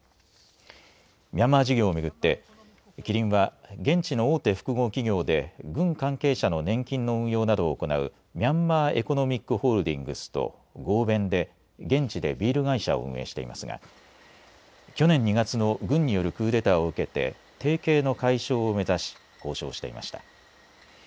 ミャンマー事業をめぐってキリンは、現地の大手複合企業で軍関係者の年金の運用などを行うミャンマー・エコノミック・ホールディングスと合弁で現地でビール会社を運営していますが去年２月の軍によるクーデターを受けて提携の解消を目指し交渉していました。